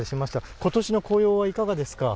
ことしの紅葉はいかがですか？